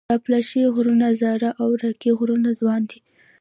د اپلاش غرونه زاړه او راکي غرونه ځوان دي.